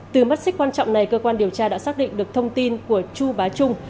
từ mắt xích quan trọng này cơ quan điều tra đã xác định được thông tin của chu bá trung